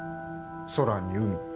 空に海。